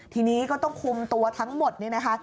ทีนี้ก็ต้องคุมตัวทั้งหมดนี่นะคะ